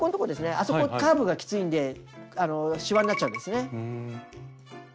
あそこカーブがきついんでしわになっちゃうんですね。